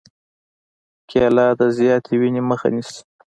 کېله د زیاتې وینې مخه نیسي.